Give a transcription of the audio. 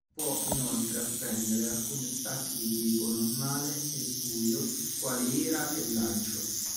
Può inoltre apprendere alcuni attacchi di tipo Normale e Buio quali Ira e Lancio.